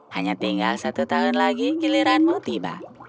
hanya tinggal satu tahun lagi giliranmu tiba